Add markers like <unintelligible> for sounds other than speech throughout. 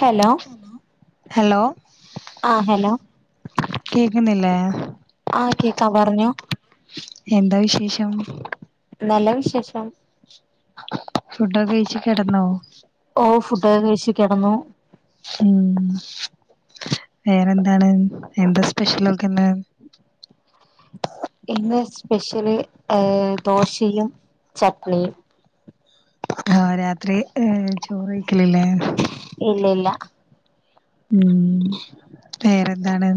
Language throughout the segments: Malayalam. ഹലോ? ഹലോ? ആഹ് ഹലോ കേക്കുന്നില്ലേ ആഹ് കേക്കാ പറഞ്ഞോ എന്താ വിശേഷം? നല്ല വിശേഷം. ഫുഡൊക്കെ കഴിച്ച് കിടന്നോ? ഓ ഫുഡൊക്കെ കഴിച്ച് കിടന്നു മ്ഹ് വേറെന്താണ് എന്താ സ്പെഷ്യലൊക്കെന്ന്? ഇന്ന് സ്പെഷ്യല് ദോശയും ചട്നിയും ആഹ് രാത്രി ചോറ്കഴിക്കലില്ലേ? ഇല്ല ഇല്ല മ്ഹ് വേറെന്താണ്?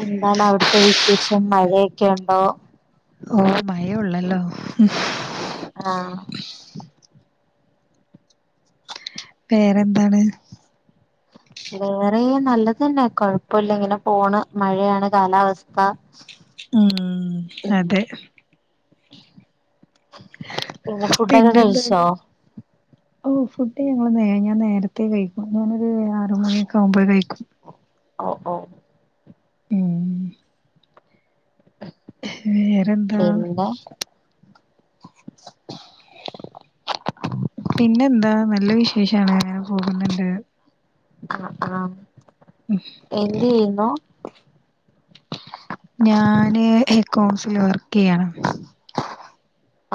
എന്താണ് അവിടുത്തെ വിശേഷം? മഴയൊക്കെ ഉണ്ടോ? ഓ മഴയേ ഉള്ളല്ലോ. ആഹ് വേറെന്താണ്? വേറെ നല്ലത് തന്നെ കൊഴപ്പമില്ല ഇങ്ങനെ പോണ് മഴയാണ് കാലാവസ്ഥ ഉം <inaudible> അതെ ഫുഡൊക്കെ പിന്നെ കഴിച്ചോ എന്താണ്? ഓ ഫുഡ് ഞങ്ങൾ നേ ഞാൻ നേരത്തെ കഴിക്കും ഞാനൊരു ആറുമണിയൊക്കെ ആവുമ്പോ കഴിക്കും. ഓ ഓ മ്ഹ് <inaudible> വേറെന്താ? പിന്നെ പിന്നെ എന്താ നല്ല വിശേഷാണ് അങ്ങനെ പോകുന്നുണ്ട്. ആഹ് ആഹ് എന്ത് ചെയുന്നു? ഞാന് എക്കൗൺസില് വർക്ക് ചെയ്യാണ്.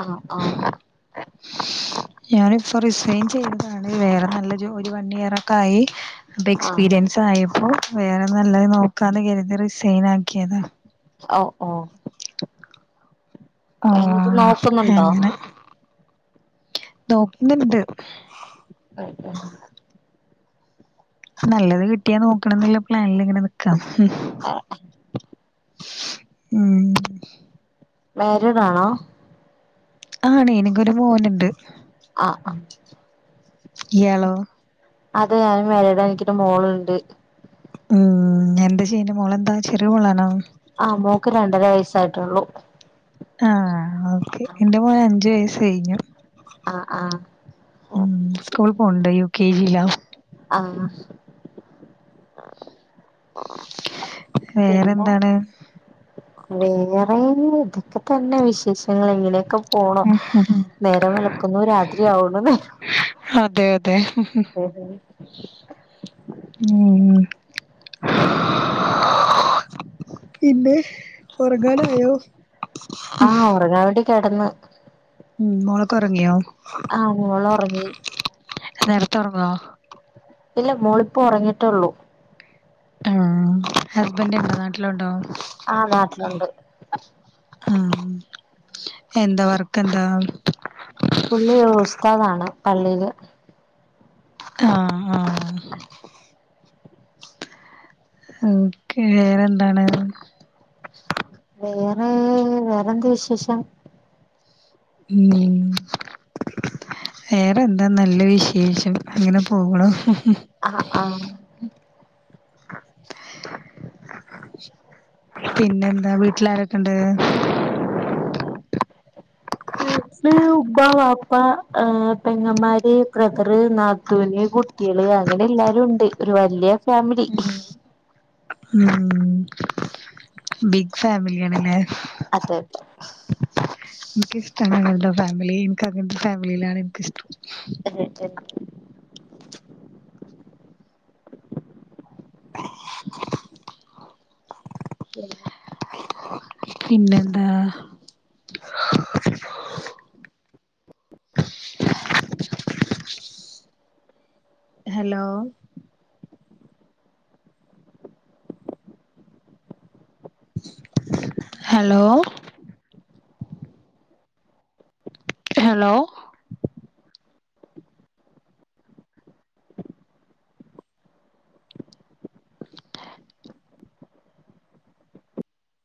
ആഹ് ആഹ് <unintelligible> ഞാൻ ഇപ്പോ റിസൈൻ ചെയ്തതാണ് വേറെ നല്ല ജോലി ഒരു വൺ ഇയർ ഒക്കെ ആയി അപ്പൊ ആ എക്സ്പീരിയൻസ് ആയപ്പോ വേറെ നല്ലത് നോക്കാന്ന് കരുതി റിസൈൻ ആക്കിയതാ ഓ ഓ എന്നത് ആഹ് നോക്കുന്നുണ്ടോ അങ്ങനെ നോക്കുന്നുണ്ട് ഉം നല്ലത് കിട്ടിയാ നോക്കണംന്നുള്ള പ്ലാനില് ഇങ്ങനെ നിക്കാം ആ ഉം മാരീഡ് ആണോ ആണ് എനിക്കൊരു മോനുണ്ട് ആ ആ ഇയ്യാളോ അതെ ഞാൻ മാരീഡ് ആയിരിക്കണ് മോളുണ്ട് ഉം എന്താ ചെയ്യണ്ട മോള് എന്താ ചെറിയ മോളാണോ ആ മോക്ക് രണ്ടര വയസ്സായിട്ടുള്ളു ആഹ് ഓക്കെ എന്റെ മോൻ അഞ്ചു വയസ്സ് കഴിഞ്ഞു ആ ആ ഉം സ്കൂൾ പോകുണ്ട് യു കെ ജിലാ ആ പിന്നെ വേറെന്താണ് വേറെ ഇങ്ങനൊക്കെ തന്നെ വിശേഷങ്ങള് ഇങ്ങനെയൊക്കെ പോണു ഉം ഉം ഉം നേരം വെളുക്കുന്നു രാത്രിയാവണ നേരം അതെ അതെ <inaudible> <unintelligible> ഉം പിന്നെ ഉറങ്ങാനായോ ആ ഒറങ്ങാ വേണ്ടി കെടന്ന് ഉം മുളക്കറങ്ങിയോ ആഹ് മോളുറങ്ങി നേരത്തേ ഒറങ്ങോ ഇല്ല മോളിപ്പം ഉറങ്ങിയിട്ടേള്ളൂ ഹസ്ബന്റ് നാട്ടിലുണ്ടോ ആ നാട്ടിലുണ്ട് ആ എന്താ വർക്ക് എന്താ പുള്ളി ഉസ്താദാണ് പള്ളിയില് ആ ആ ആ ഓക്കെ വേറെന്താണ് വേറെ വേറെന്ത് വിശേഷം ഉം വേറെന്താ നല്ല വിശേഷം അങ്ങനെ പോകണോ ആ ആ ആ പിന്നെന്താ വീട്ടിലാരൊക്കെ ണ്ട് വീട്ടില് ഉമ്മ വാപ്പ പെങ്ങമാര് ബ്രതറ് നത്തു ന് കുട്ടികള് അങ്ങനെ എല്ലാരും ഉണ്ട് ഒരു വലിയ ഫാമിലി ഉം ബിഗ് ഫാമിലിയാണ്ല്ലേ അതതെ എനിക്കിഷ്ടമാണ് എന്താ ഫാമിലി എനിക്ക്ങ്ങനത്തെ ഫാമിലിയിലാണ് എനിക്കിഷ്ടം. <unintelligible> <unintelligible> പിന്നെന്താ. ഹലോ. ഹലോ. ഹലോ.